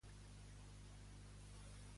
Em pots llegir els missatges de Discord d'avui?